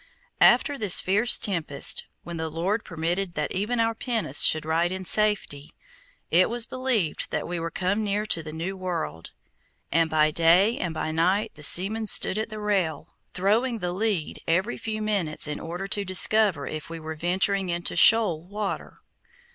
After this fierce tempest, when the Lord permitted that even our pinnace should ride in safety, it was believed that we were come near to the new world, and by day and by night the seamen stood at the rail, throwing the lead every few minutes in order to discover if we were venturing into shoal water.